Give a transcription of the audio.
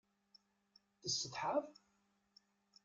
Tessetḥaḍ?